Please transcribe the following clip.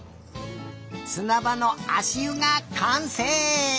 すなばのあしゆがかんせい！